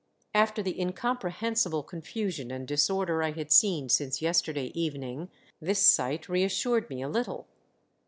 After the incomprehensible confusion and disorder I had seen since yesterday evening, this sight reas sured me a little.